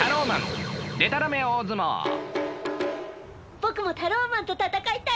☎僕もタローマンと戦いたいよ。